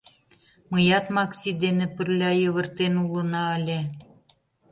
Мыят Макси дене пырля йывыртен улына ыле.